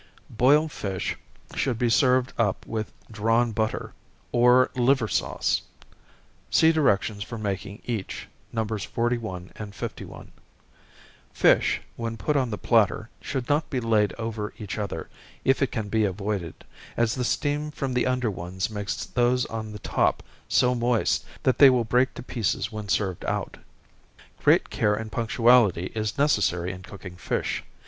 Boiled fish should be served up with drawn butter, or liver sauce, (see directions for making each, Nos. 41 and 51.) Fish, when put on the platter, should not be laid over each other if it can be avoided, as the steam from the under ones makes those on the top so moist, that they will break to pieces when served out. Great care and punctuality is necessary in cooking fish.